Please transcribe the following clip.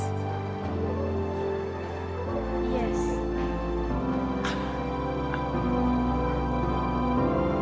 eh di sini